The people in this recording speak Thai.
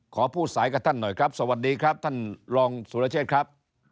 ขอพูดสายกับท่านหน่อยครับสวัสดีครับท่านรองสุรเชษครับ